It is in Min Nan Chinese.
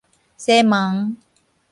西門